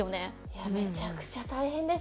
いやめちゃくちゃ大変です。